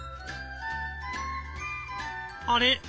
あれ？